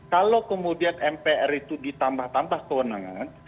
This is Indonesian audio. kalau kemudian mpr itu ditambah tambah kewenangan